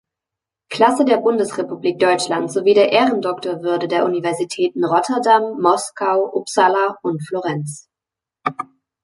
Klasse der Bundesrepublik Deutschland sowie der Ehrendoktorwürde der Universitäten Rotterdam, Moskau, Uppsala und Florenz.